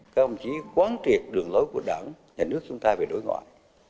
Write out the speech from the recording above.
các ông chí quán triệt đường lối của đảng nhà nước chúng ta về đối ngoại